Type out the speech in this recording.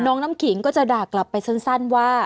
น้ำขิงก็จะด่ากลับไปสั้นว่า